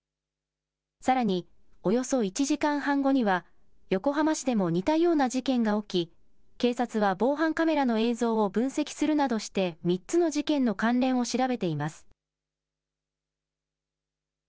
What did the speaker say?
さらに、およそ１時間半後には、横浜市でも似たような事件が起き、警察は防犯カメラの映像を分析するなどして、３つの事件の関連を調べています。